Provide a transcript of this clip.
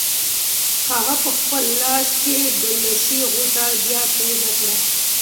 هغه په خپل لاس کې د لسي غوټه بیا تېزه کړه.